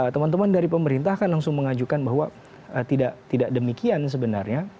teman teman dari pemerintah kan langsung mengajukan bahwa tidak demikian sebenarnya